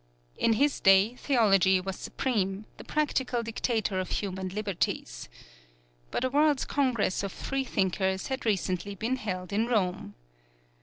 In his day Theology was supreme, the practical dictator of human liberties. But a World's Congress of Freethinkers has recently been held in Rome.